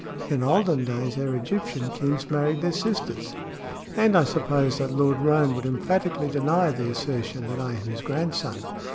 In olden days our Egyptian kings married their sisters. And I suppose that Lord Roane would emphatically deny the assertion that I am his grandson.